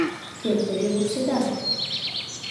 Кӧм тыге вурседа?